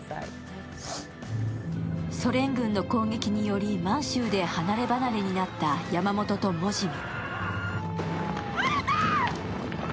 ソ連軍の攻撃により満州で離ればなれになった山本とモジミ。